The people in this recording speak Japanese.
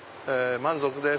満足です。